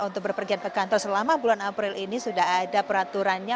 untuk berpergian ke kantor selama bulan april ini sudah ada peraturannya